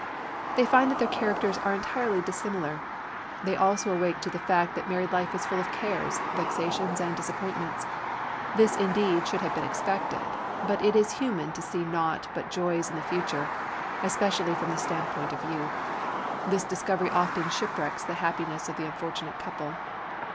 They find that their characters are entirely dissimilar; they also awake to the fact that married life is full of cares, vexations, and disappointments. This, indeed, should have been expected; but it is human to see naught but joys in the future, especially from the stand point of youth. This discovery often shipwrecks the happiness of the unfortunate couple.